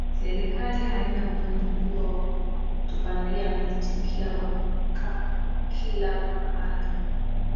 serikali haina uwezo mkubwa wa kutupandia miti kila waka kila mahali